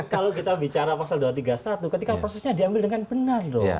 kalau kita bicara pasal dua ratus tiga puluh satu ketika prosesnya diambil dengan benar loh